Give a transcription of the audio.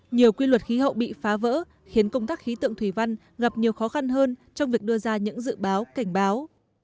nhiều quy luật khí hậu bị phá vỡ khiến công tác khí tượng thủy văn gặp nhiều khó khăn hơn trong việc đưa ra những dự báo cảnh báo